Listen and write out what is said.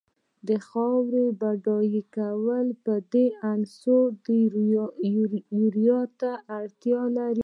د خاورې بډای کول په دې عنصر یوریا ته اړتیا لري.